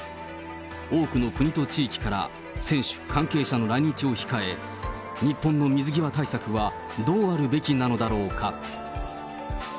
多くの国と地域から選手、関係者の来日を控え、日本の水際対策はどうあるべきなのだろうか。